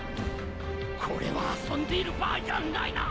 これは遊んでいる場合じゃないな。